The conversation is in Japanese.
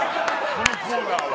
このコーナーは。